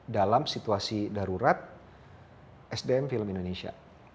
dalam situasi darurat sdm film indonesia